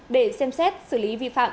để xem xét xử lý vi phạm